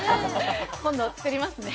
今度作りますね。